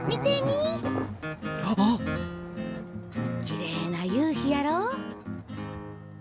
きれいな夕日やろ。